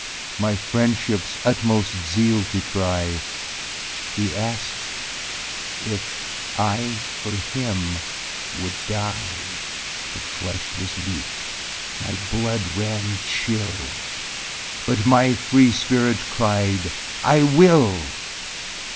My friendshipâs utmost zeal to try, He asked if I for him would die. The flesh was weak; my blood ran chill, But my free spirit cried, âI will!